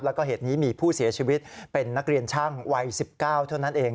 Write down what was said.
แล้วก็เหตุนี้มีผู้เสียชีวิตเป็นนักเรียนช่างวัย๑๙เท่านั้นเอง